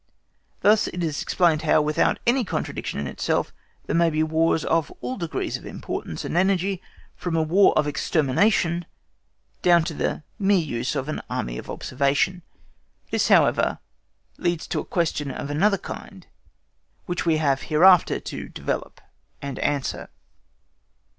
Thus it is explained how, without any contradiction in itself, there may be Wars of all degrees of importance and energy, from a War of extermination down to the mere use of an army of observation. This, however, leads to a question of another kind which we have hereafter to develop and answer.